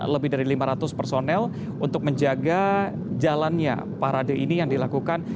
lebih dari lima ratus personel untuk menjaga jalannya parade ini yang dilakukan